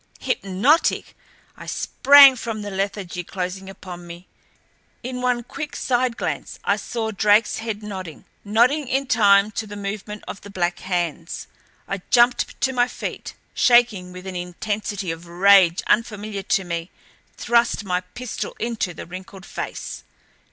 Hypnotic! I sprang from the lethargy closing upon me. In one quick side glance I saw Drake's head nodding nodding in time to the movement of the black hands. I jumped to my feet, shaking with an intensity of rage unfamiliar to me; thrust my pistol into the wrinkled face.